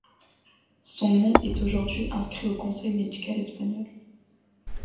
Son nom est aujourd'hui inscrit au Conseil médical espagnol.